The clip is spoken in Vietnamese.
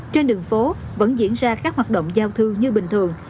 trên đường phố vẫn diễn ra các hoạt động giao thương như bình thường